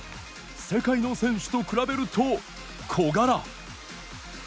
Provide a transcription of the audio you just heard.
世界の選手と比べると、小柄。